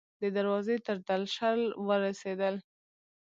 د دروازې تر درشل ورسیدل